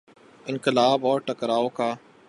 انقلاب اور ٹکراؤ کا۔